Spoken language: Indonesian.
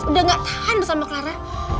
udah gak tahan sama clara